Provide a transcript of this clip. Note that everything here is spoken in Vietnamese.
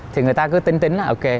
thì người ta cứ tính tính là